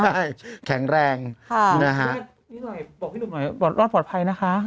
ใช่แข็งแรงนะคะอ้าวนี่น่ะบอกพี่หนุ่มหน่อยรอดปลอดภัยนะคะ